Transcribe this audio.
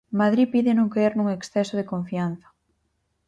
Madrid pide non caer nun exceso de confianza.